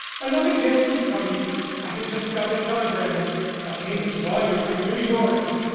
Another guest is coming I have just got a telegram. A famous lawyer from New York.